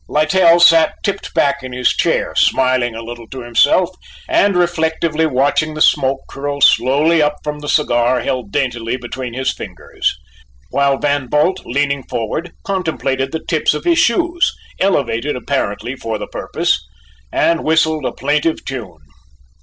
Littell sat tipped back in his chair, smiling a little to himself and reflectively watching the smoke curl slowly up from the cigar held daintily between his fingers: while Van Bult, leaning forward, contemplated the tips of his shoes, elevated apparently for the purpose, and whistled a plaintive tune.